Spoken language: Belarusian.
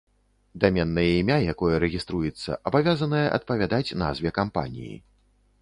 Даменнае імя, якое рэгіструецца, абавязанае адпавядаць назве кампаніі.